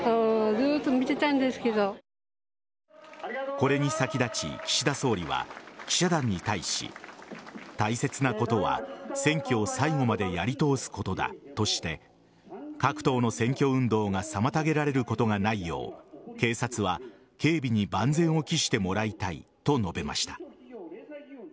これに先立ち、岸田総理は記者団に対し大切なことは選挙を最後までやり通すことだとして各党の選挙運動が妨げられることがないよう警察は警備に万全を期してもらいたいと述べました。